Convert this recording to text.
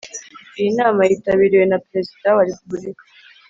Iyi nama yitabiriwe na perezida wa repubulika